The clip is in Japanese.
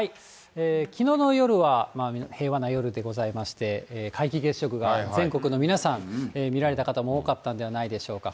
きのうの夜は平和な夜でございまして、皆既月食が、全国の皆さん、見られた方も多かったのではないでしょうか。